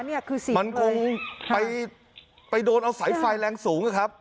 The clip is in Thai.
นี่คือสีมันคงไปโดนเอาสายไฟแรงสูงนะครับ